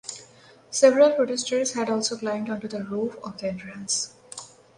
Several protesters had also climbed onto the roof of the entrance.